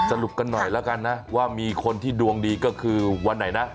สรุปกันหน่อยแล้วกันนะว่ามีคนที่ดวงดีก็คือวันไหนนะ